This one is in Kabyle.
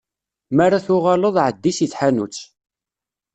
Mi ara tuɣaleḍ, εeddi si tḥanut.